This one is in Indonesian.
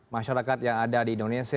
dan puncaknya di februari